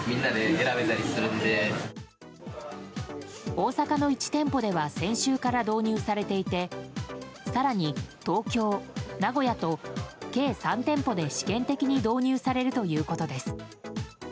大阪の１店舗では先週から導入されていて更に東京、名古屋と計３店舗で試験的に導入されるということです。